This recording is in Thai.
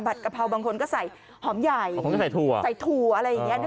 ผัดกะเพราบางคนก็ใส่หอมใหญ่ใส่ถั่วอะไรอย่างนี้